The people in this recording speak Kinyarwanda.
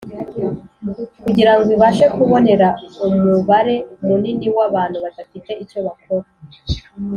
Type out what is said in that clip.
kugirango ibashe kubonera umubare munini w'abantu badafite icyo bakora